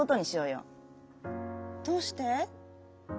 「どうして？」。